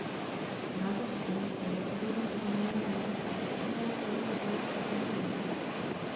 Název stanice je odvozen od jména města a výzkumného centra boje proti rakovině.